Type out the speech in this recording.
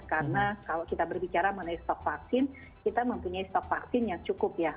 karena kalau kita berbicara mengenai stok vaksin kita mempunyai stok vaksin yang cukup ya